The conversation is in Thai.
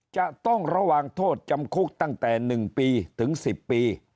จะต้องระวังโทษจำคุกตั้งแต่๑ปีถึง๑๐ปี